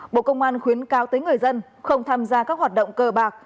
bộ công an khuyến cao tới người dân không tham gia các hoạt động cờ bạc